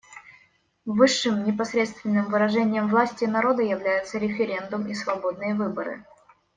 Высшим непосредственным выражением власти народа являются референдум и свободные выборы.